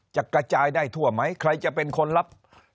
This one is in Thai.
จะกระจายได้ทั่วไหมใครจะเป็นคนรับ